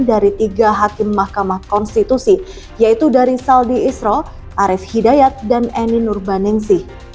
dari tiga hakim mahkamah konstitusi yaitu dari saldi isro arief hidayat dan eni nurbaningsih